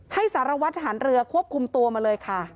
สารวัตรฐานเรือควบคุมตัวมาเลยค่ะ